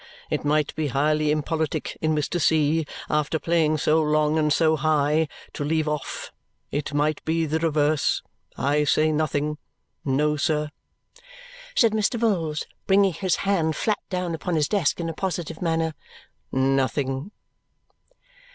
It might be highly impolitic in Mr. C., after playing so long and so high, to leave off; it might be the reverse; I say nothing. No, sir," said Mr. Vholes, bringing his hand flat down upon his desk in a positive manner, "nothing."